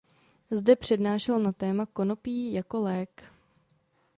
Zde přednášel na téma ""Konopí jako lék"".